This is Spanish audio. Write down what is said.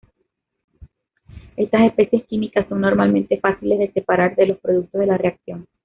Estas especies químicas son normalmente fáciles de separar de los productos de la reacción.